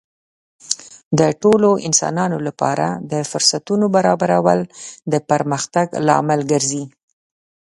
د ټولو انسانانو لپاره د فرصتونو برابرول د پرمختګ لامل ګرځي.